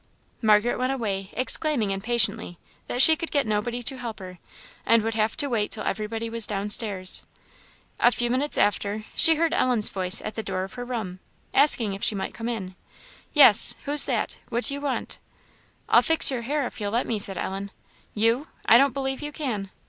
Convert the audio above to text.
Margaret went away, exclaiming, impatiently, that she could get nobody to help her, and would have to wait till everybody was downstairs. A few minutes after, she heard Ellen's voice at the door of her room, asking if she might come in. "Yes who's that? what do you want?" "I'll fix your hair if you'll let me," said Ellen. "You? I don't believe you can."